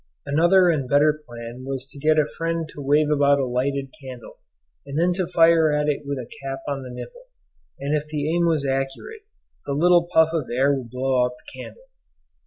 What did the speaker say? Another and better plan was to get a friend to wave about a lighted candle, and then to fire at it with a cap on the nipple, and if the aim was accurate the little puff of air would blow out the candle.